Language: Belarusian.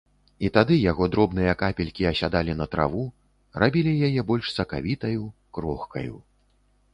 І тады яго дробныя капелькі асядалі на траву, рабілі яе больш сакавітаю, крохкаю.